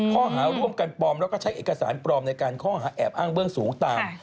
ข้อหาร่วมกันปลอมแล้วก็ใช้เอกสารปลอมในการข้อหาแอบอ้างเบื้องสูงตาม